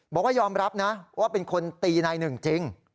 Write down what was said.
บอกว่ายอมรับนะว่าเป็นคนตีนายหนึ่งจริง